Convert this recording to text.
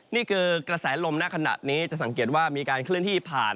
นี่คือกระแสลมณขณะนี้จะสังเกตว่ามีการเคลื่อนที่ผ่าน